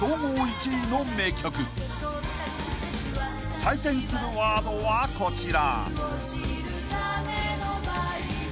［採点するワードはこちら］